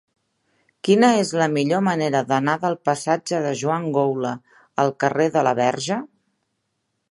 Quina és la millor manera d'anar del passatge de Joan Goula al carrer de la Verge?